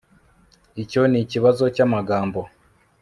icyo nikibazo cyamagambo